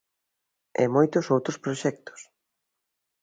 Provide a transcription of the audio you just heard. E moitos outros proxectos.